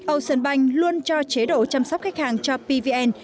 ocean bank luôn cho chế độ chăm sóc khách hàng cho pvn